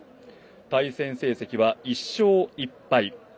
対戦成績は１勝１敗。